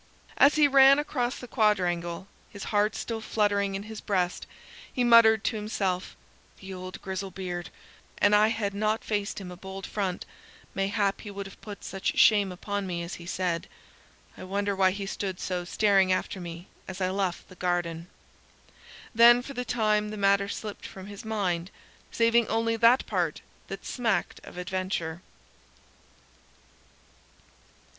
As he ran across the quadrangle, his heart still fluttering in his breast, he muttered to himself, "The old grizzle beard; an I had not faced him a bold front, mayhap he would have put such shame upon me as he said. I wonder why he stood so staring after me as I left the garden." Then for the time the matter slipped from his mind, saving only that part that smacked of adventure.